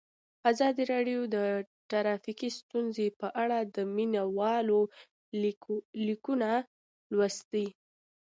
ازادي راډیو د ټرافیکي ستونزې په اړه د مینه والو لیکونه لوستي.